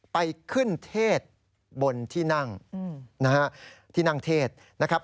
ไปขึ้นเทศบนที่นั่งนะฮะที่นั่งเทศนะครับ